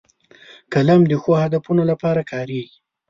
قلم د ښو هدفونو لپاره کارېږي